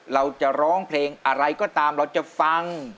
เราจะร้องเพลงอะไรก็ตามเราจะฟัง